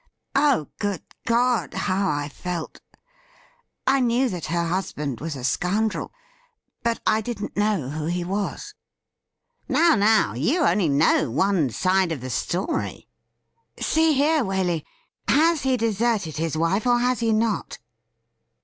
Oh, good God ! how I felt ! I knew that her husband was a scoundrel, but I didn't know who he was.'' ' Now, now ! You only know one side of the story.' ' See here, Waley. Has he deserted his wife, or has he not